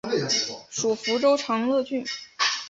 属福州长乐郡。